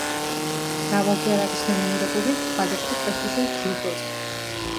მრავალჯერ არის ნომინირებული სხვადასხვა პრესტიჟულ ჯილდოზე.